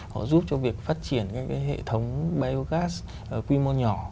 họ giúp cho việc phát triển các cái hệ thống biogas quy mô nhỏ